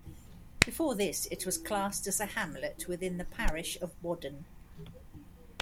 Before this it was classed as a hamlet within the parish of Whaddon.